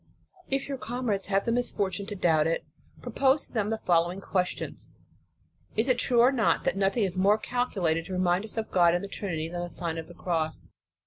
If your com rades have the misfortune to doubt it, pro pose to them the following questions: Is it true or not, that nothing is more calculated to remind us of God and the Trin ity than the Sign of the Cross